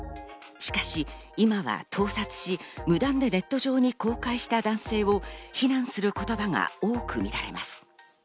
しかし今は盗撮し、無断でネット上に公開した男性を非難する言葉が多く見られます。